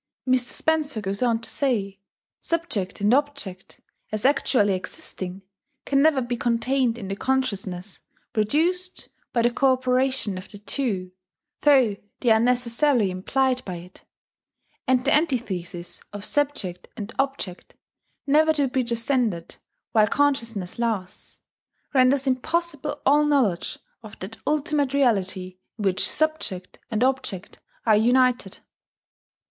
Mr. Spencer goes on to say: "Subject and Object, as actually existing, can never be contained in the consciousness produced by the cooperation of the two, though they are necessarily implied by it; and the antithesis of Subject and Object, never to be transcended while consciousness lasts, renders impossible all knowledge of that Ultimate Reality in which Subject and Object are united."...